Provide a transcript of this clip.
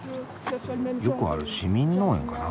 よくある市民農園かな？